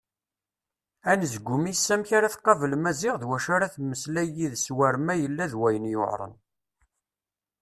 Anezgum-is amek ara tqabel Maziɣ d wacu ara temmeslay yid-s war ma yella-d wayen yuɛren.